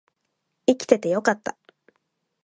生きててよかった